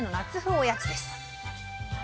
おやつです。